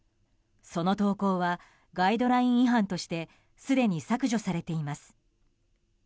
その投稿はガイドライン違反としてすでに削除されています。